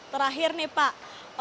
terakhir nih pak